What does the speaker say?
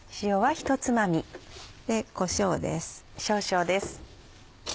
こしょうです。